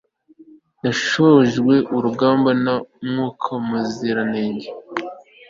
Yashobojwe urugamba na Mwuka Muziranenge